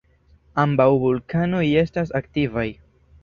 Ambaŭ vulkanoj estas aktivaj.